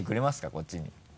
こっちに。